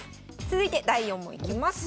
続いて第４問いきます。